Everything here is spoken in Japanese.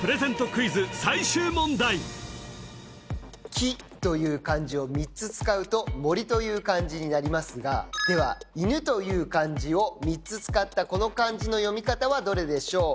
クイズ最終問題「木」という漢字を３つ使うと「森」という漢字になりますがでは「犬」という漢字を３つ使ったこの漢字の読み方はどれでしょう？